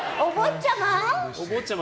お坊ちゃま？